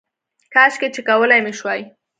کاشکې چې کولی مې شوای